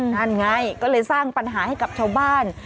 นั่นไงก็เลยสร้างปัญหาให้กับชาวบ้าน